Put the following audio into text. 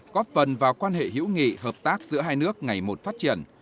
góp phần vào quan hệ hữu nghị hợp tác giữa hai nước ngày một phát triển